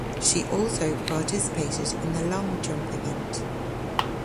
She also participated in the Long jump event.